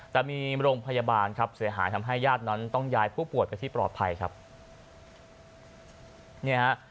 แต่มีบรรโมงพยาบาลเสียหายทำให้ญาตินั้นต้องย้ายผู้ปวดไปที่ปลอดภัย